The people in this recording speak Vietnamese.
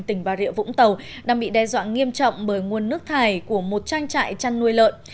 tỉnh bà rịa vũng tàu đang bị đe dọa nghiêm trọng bởi nguồn nước thải của một trang trại chăn nuôi lợn